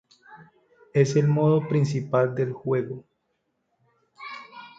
Es el modo principal del juego.